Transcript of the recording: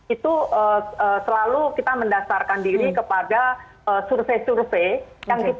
itu selalu kita mendasarkan diri kepada survei survei